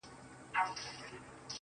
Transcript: علم ذهن روښانه کوي.